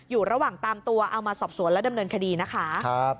อยู่ระหว่างตามตัวเอามาสอบสวนและดำเนินคดีนะคะ